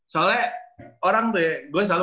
soalnya orang tuh ya gue selalu